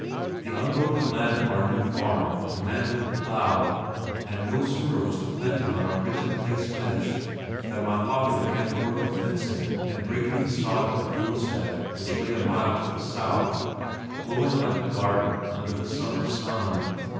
The unbroken land of our new farm demanded the plow and no sooner was the planting on our rented place finished than my father began the work of fencing and breaking the sod of the homestead which lay a mile to the south, glowing like a garden under the summer sun.